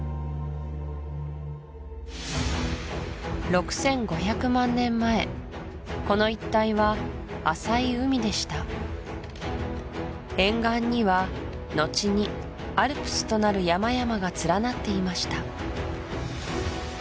６５００万年前この一帯は浅い海でした沿岸にはのちにアルプスとなる山々が連なっていました